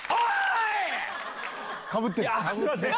すいません。